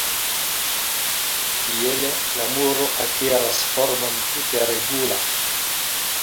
Tiele la muro akiras formon tute regula.